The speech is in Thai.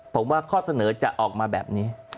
ผมว่าข้อเสนอจะออกมาแบบนี้